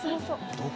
「どこ？